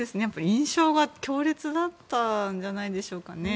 印象が強烈だったんじゃないでしょうかね。